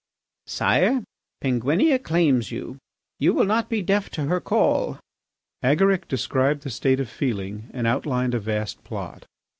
"Sire, Penguinia claims you. You will not be deaf to her call." Agaric described the state of feeling and outlined a vast plot.